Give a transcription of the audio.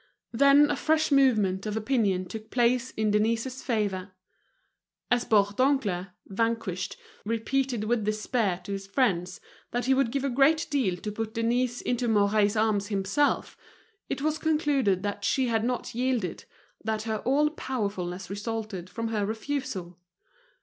Then a fresh movement of opinion took place in Denise's favor. As Bourdoncle, vanquished, repeated with despair to his friends that he would give a great deal to put Denise into Mouret's arms himself, it was concluded that she had not yielded, that her all powerfulness resulted from her refusal.